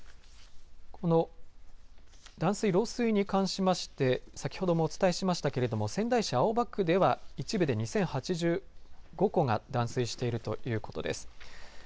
この断水、漏水に関しまして先ほどもお伝えしましたが仙台市青葉区では一部で２０８５戸が断水しているということです。